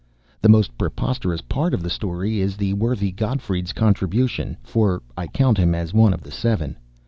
The most preposterous part of the story is the worthy Gottfried's contribution (for I count him as one of the seven).